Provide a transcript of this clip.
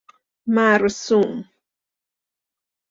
مرسوم